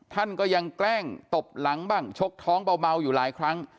ท่านก็ยังแกล้งตบหลังบ้างชกท้องเบาอยู่หลายครั้ง